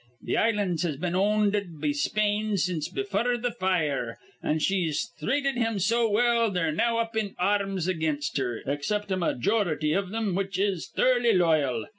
Th' islands has been ownded be Spain since befure th' fire; an' she's threated thim so well they're now up in ar rms again her, except a majority iv thim which is thurly loyal.